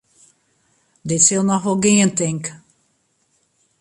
Dit sil noch wol gean, tink.